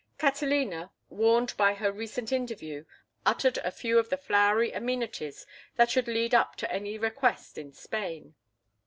Catalina, warned by her recent interview, uttered a few of the flowery amenities that should lead up to any request in Spain.